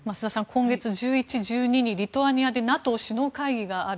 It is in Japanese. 今月１１、１２にリトアニアでＮＡＴＯ首脳会議がある。